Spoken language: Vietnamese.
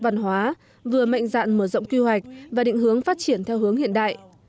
văn hóa vừa mạnh dạn mở rộng quy hoạch và định hướng phát triển theo hướng hiện đại